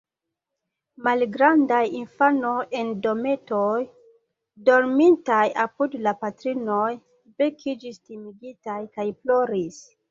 Malgrandaj infanoj en dometoj, dormintaj apud la patrinoj, vekiĝis timigitaj kaj ploris.